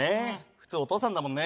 普通お父さんだもんね。